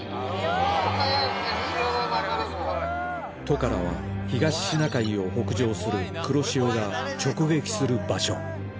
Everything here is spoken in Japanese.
トカラは東シナ海を北上する黒潮が直撃する場所